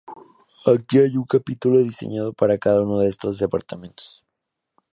Aquí hay un capítulo diseñado para cada uno de estos departamentos.